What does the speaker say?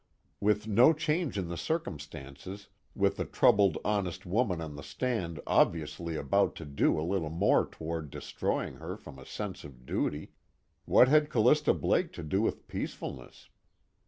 With no change in the circumstances, with the troubled honest woman on the stand obviously about to do a little more toward destroying her from a sense of duty, what had Callista Blake to do with peacefulness?